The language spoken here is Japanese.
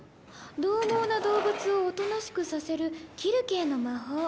獰猛な動物をおとなしくさせるキルケーの魔法。